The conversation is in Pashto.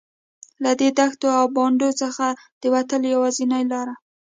له دې دښتو او بانډو څخه د وتلو یوازینۍ لاره.